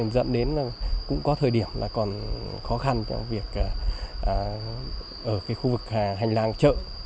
dẫn đến cũng có thời điểm còn khó khăn trong việc ở khu vực hành lang trợ